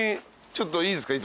ちょっといいですか？